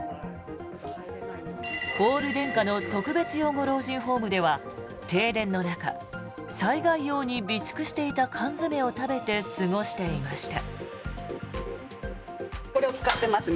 オール電化の特別養護老人ホームでは停電の中、災害用に備蓄していた缶詰を食べて過ごしていました。